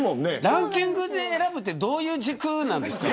ランキングで選ぶってどういう軸なんですか。